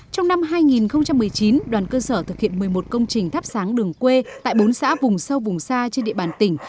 trong năm hai nghìn một mươi chín đoàn cơ sở thực hiện một mươi một công trình thắp sáng đường quê tại bốn xã vùng sâu vùng xa trên địa bàn tỉnh